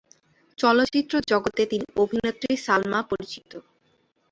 চলচ্চিত্র জগতে তিনি অভিনেত্রী সালমা পরিচিত।